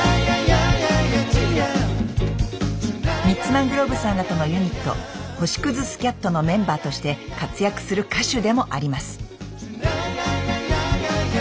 ミッツ・マングローブさんらとのユニット「星屑スキャット」のメンバーとして活躍する歌手でもあります。